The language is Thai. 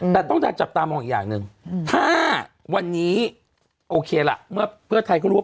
แต่ต้องดังจับตามองอีกอย่างหนึ่งถ้าวันนี้โอเคล่ะเมื่อเพื่อไทยเขารู้ว่า